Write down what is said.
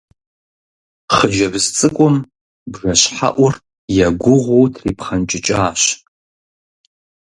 Хъыджэбз цӀыкӀум бжэщхьэӀур егугъуу трипхъэнкӀыкӀащ.